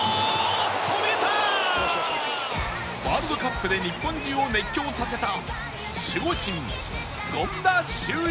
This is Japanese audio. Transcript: ワールドカップで日本中を熱狂させた守護神権田修一